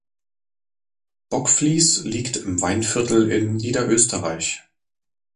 Bockfließ liegt im Weinviertel in Niederösterreich.